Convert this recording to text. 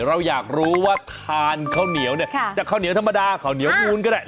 เราอยากรู้ว่าทานข้าวเหนียวเนี่ยจากข้าวเหนียวธรรมดาข้าวเหนียวมูลก็ได้